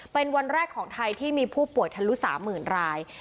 เป็นวันแรกของไทยที่มีผู้ป่วยทะลุ๓๐๐๐ราย